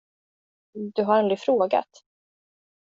Du har aldrig frågat.